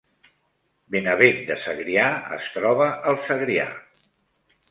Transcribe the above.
Benavent de Segrià es troba al Segrià